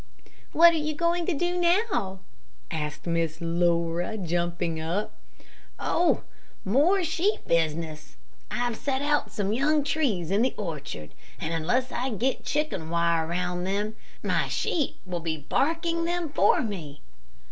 "What are you going to do now?" asked Miss Laura, jumping up. "Oh! more sheep business. I've set out some young trees in the orchard, and unless I get chicken wire around them, my sheep will be barking them for me."